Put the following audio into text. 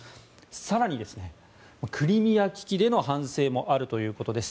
更に、クリミア危機での反省もあるということです。